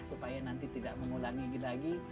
supaya nanti tidak mengulangi lagi